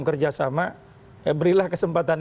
kerjasama berilah kesempatan